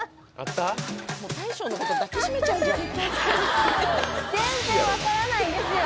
もう大将のこと抱きしめちゃうんじゃない？